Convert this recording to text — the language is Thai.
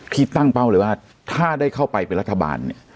ที่ตั้งเป้าเลยว่าถ้าได้เข้าไปเป็นรัฐบาลเนี่ย